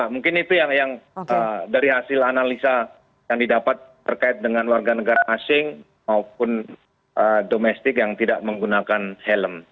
mungkin itu yang dari hasil analisa yang didapat terkait dengan warga negara asing maupun domestik yang tidak menggunakan helm